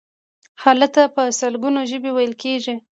هلته په سلګونو ژبې ویل کیږي.